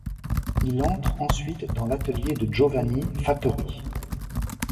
Il entre ensuite dans l'atelier de Giovanni Fattori.